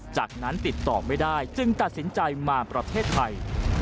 จากนั้นติดต่อไม่ได้จึงตัดสินใจมาประเทศไทย